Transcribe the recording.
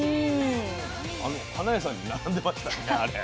花屋さんに並んでましたねあれ。